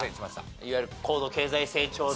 いわゆる高度経済成長で。